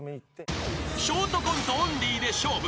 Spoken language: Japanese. ［ショートコントオンリーで勝負］